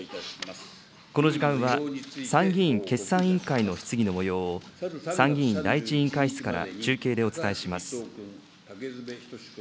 この時間は、参議院決算委員会の質疑のもようを参議院第１委員会室から中継でお伝えします。